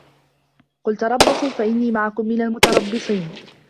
قُل تَرَبَّصوا فَإِنّي مَعَكُم مِنَ المُتَرَبِّصينَ